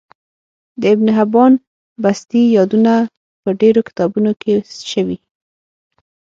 د ابن حبان بستي يادونه په ډیرو کتابونو کی سوی